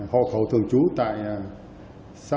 hồ khẩu thường trú tại xá vụ bốn